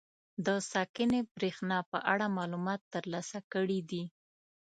د ساکنې برېښنا په اړه معلومات تر لاسه کړي دي.